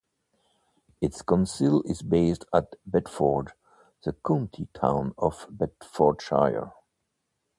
Its council is based at Bedford, the county town of Bedfordshire.